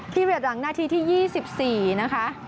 เวียดหลังนาทีที่๒๔นะคะ